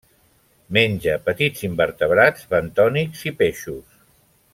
Menja petits invertebrats bentònics i peixos.